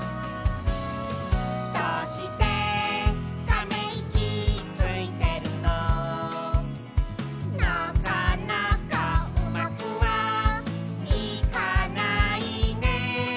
「どうしてためいきついてるの」「なかなかうまくはいかないね」